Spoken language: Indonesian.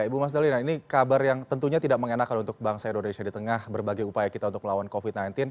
ibu mas dalina ini kabar yang tentunya tidak mengenakan untuk bangsa indonesia di tengah berbagai upaya kita untuk melawan covid sembilan belas